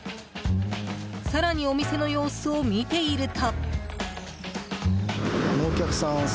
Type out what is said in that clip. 更にお店の様子を見ていると。